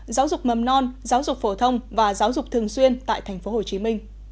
giáo dục mầm non giáo dục phổ thông và giáo dục thường xuyên tại tp hcm